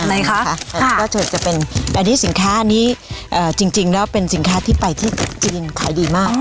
ไหนคะก็จะเป็นอันนี้สินค้าอันนี้จริงแล้วเป็นสินค้าที่ไปที่จีนขายดีมาก